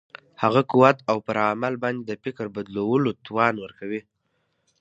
هغه قوت او پر عمل باندې د فکر بدلولو توان ورکوي.